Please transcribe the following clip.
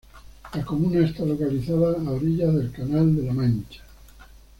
La comuna está localizada a orillas del Canal de la Mancha.